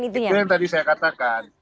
itu yang tadi saya katakan